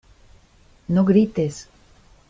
no grites.